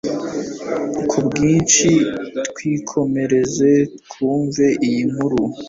kubwinshi twikomereze, twumve iyi nkuru